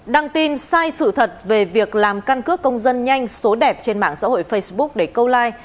đăng tin sai sự thật về việc làm căn cước công dân nhanh số đẹp trên mạng xã hội facebook để câu like